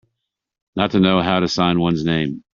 Not to know how to sign one's name.